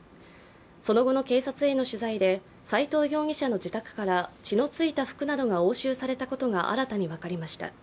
その後の警察への取材で斉藤容疑者の自宅から血の付いた服などが押収されたことが新たに分かりました。